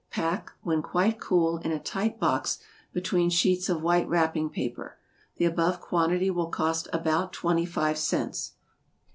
Pack, when quite cool, in a tight box, between sheets of white wrapping paper. The above quantity will cost about twenty five cents.